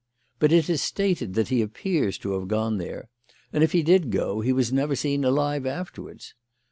But it is stated that he appears to have gone there; and if he did go, he was never seen alive afterwards.